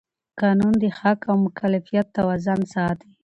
قانون د حق او مکلفیت توازن ساتي.